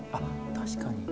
確かに。